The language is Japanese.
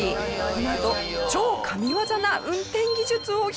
このあと超神ワザな運転技術を披露します。